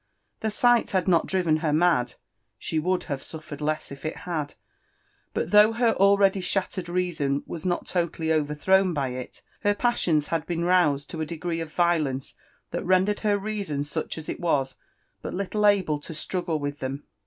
The sight had not driven her mad, — she would havesulTered less if it had ;— but, though her already shattered reason was not totally overthrown by it, her passions had been roused to a degree of violence that rendered her reason, such as it was, but little able to struggle with them.